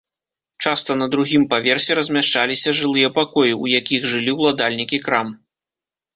Часта на другім паверсе размяшчаліся жылыя пакоі, у якіх жылі ўладальнікі крам.